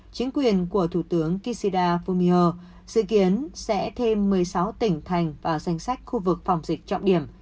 chính quyền của thủ tướng kishida fumio dự kiến sẽ thêm một mươi sáu tỉnh thành vào danh sách khu vực phòng dịch trọng điểm